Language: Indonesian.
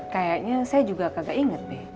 kayaknya saya juga kagak inget deh